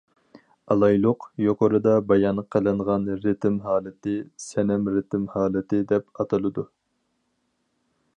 ئالايلۇق، يۇقىرىدا بايان قىلىنغان رىتىم ھالىتى‹‹ سەنەم رىتىم ھالىتى›› دەپ ئاتىلىدۇ.